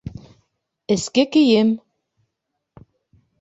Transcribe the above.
Эске кейем!